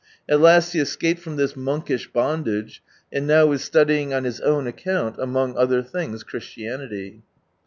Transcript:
At last he escaped from this monkish bondage, and now is studying on his own account, among oiher things, Christianity.